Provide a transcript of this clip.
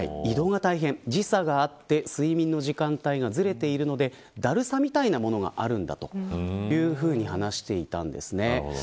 時差があって睡眠の時間台がずれているのでだるさみたいなものがあるんだというふうに話していました。